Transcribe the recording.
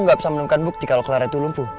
nggak bisa menemukan bukti kalau kelar itu lumpuh